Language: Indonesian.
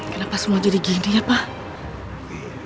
kenapa semua jadi gini ya pak